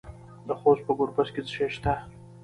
د خوست په ګربز کې څه شی شته؟